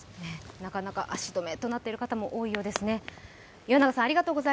なかなか足止めとなっている方も多いようですね。